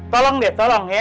tolong deh tolong ya